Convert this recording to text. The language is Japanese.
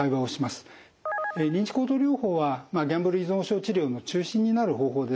認知行動療法はギャンブル依存症治療の中心になる方法です。